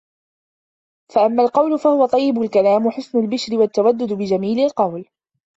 فَأَمَّا الْقَوْلُ فَهُوَ طِيبُ الْكَلَامِ وَحُسْنُ الْبِشْرِ وَالتَّوَدُّدُ بِجَمِيلِ الْقَوْلِ